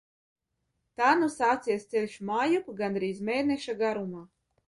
Tā nu sācies ceļš mājup gandrīz mēneša garumā.